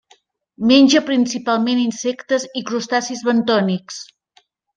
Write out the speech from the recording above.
Menja principalment insectes i crustacis bentònics.